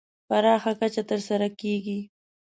پراخه کچه تر سره کېږي.